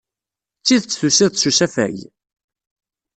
D tidet tusiḍ-d s usafag?